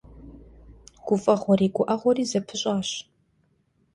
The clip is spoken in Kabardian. ГуфӀэгъуэри гуӀэгъуэри зэпыщӀащ.